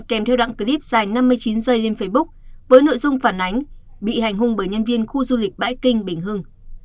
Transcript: kèm theo đoạn clip dài năm mươi chín giây lên facebook với nội dung phản ánh bị hành hung bởi nhân viên khu du lịch bãi kinh bình hưng